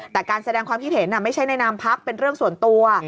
แต่การแสดงความคิดเห็นไม่ใช่ในนามพักเป็นเรื่องส่วนตัว